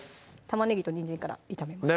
玉ねぎとにんじんから炒めます